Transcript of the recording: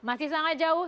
masih sangat jauh